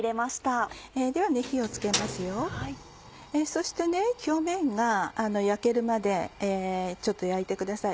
そして表面が焼けるまでちょっと焼いてください。